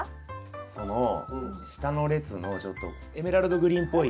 その下の列のちょっとエメラルドグリーンっぽい。